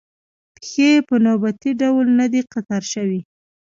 پېښې په نوبتي ډول نه دي قطار شوې.